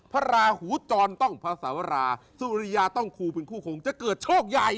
พระราหูจรต้องภาษาวราสุริยาต้องคูเป็นคู่คงจะเกิดโชคใหญ่